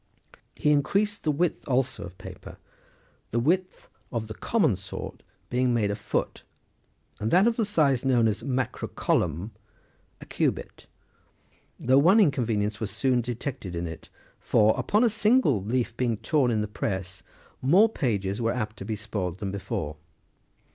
He increased the width also of paper ; the width [of the common sort] being made afoot, and that of the size known as " macro collum,"23 a cubit ; though one inconvenience was soon detected in it, for, upon a single leaf24 being torn in the press, more pages were apt to be spoilt than before.